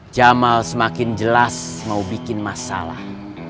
jamal semakin jelas mau bikin masalah